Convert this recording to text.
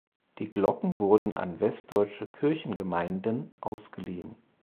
Die Glocken wurden an westdeutsche Kirchengemeinden ausgeliehen.